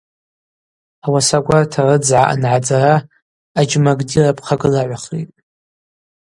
Ауаса гварта рыдзгӏа ангӏадзара, аджьма гди рапхъагылагӏвхитӏ.